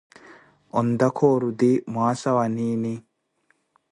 Ontakha oruti mwaasa wa niini?